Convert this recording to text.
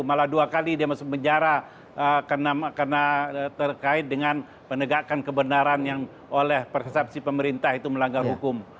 malah dua kali dia masuk penjara karena terkait dengan penegakan kebenaran yang oleh persepsi pemerintah itu melanggar hukum